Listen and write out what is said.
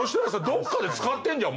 どっかで使ってんじゃん